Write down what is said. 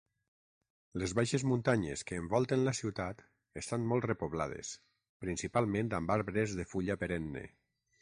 Les baixes muntanyes que envolten la ciutat estan molt repoblades, principalment amb arbres de fulla perenne.